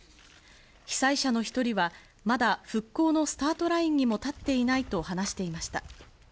被災者の一人はまだ復興のスタートラインにも立っていないと話していました。